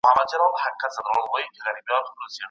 پخوا سياست پوهنه د هر چا لپاره نه وه.